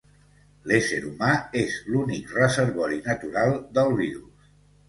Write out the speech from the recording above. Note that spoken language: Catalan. L'ésser humà és l'únic reservori natural del virus.